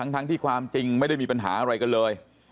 ทั้งที่ความจริงไม่ได้มีปัญหาอะไรกันเลย